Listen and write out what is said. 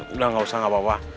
udah gak usah gak apa apa